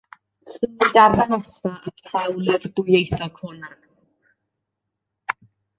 Lluniwyd arddangosfa a'r llawlyfr dwyieithog hwn ar y pwnc.